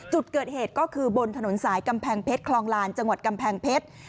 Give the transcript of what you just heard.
จุดเกิดเหตุก็คือบนถนนสายกำแพงเพชรคลองลานจังหวัดกำแพงเพชร